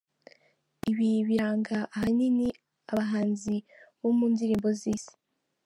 Ibi biranga ahanini abahanzi bo mu ndirimbo z’Isi.